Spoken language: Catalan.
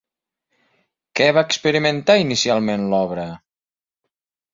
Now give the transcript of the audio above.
Què va experimentar inicialment l'obra?